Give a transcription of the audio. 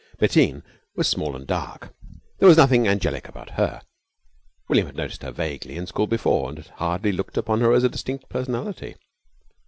Bettine was small and dark. There was nothing "angelic" about her. William had noticed her vaguely in school before and had hardly looked upon her as a distinct personality.